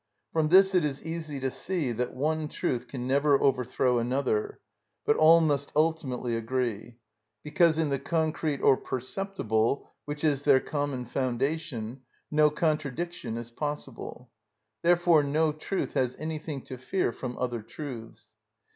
From this it is easy to see that one truth can never overthrow another, but all must ultimately agree; because in the concrete or perceptible, which is their common foundation, no contradiction is possible. Therefore no truth has anything to fear from other truths.